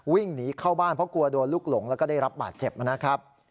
วิ่งหนีเข้าบ้านเพราะกลัวโดนลูกหลงแล้วก็ได้รับบาดเจ็บนะครับ